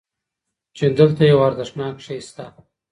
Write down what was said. چې دلته یو ارزښتناک شی شته.